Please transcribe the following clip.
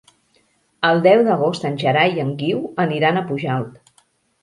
El deu d'agost en Gerai i en Guiu aniran a Pujalt.